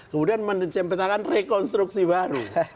kemudian menjemputkan rekonstruksi baru